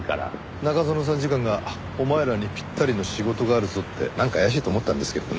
中園参事官が「お前らにぴったりの仕事があるぞ」ってなんか怪しいと思ったんですけどね。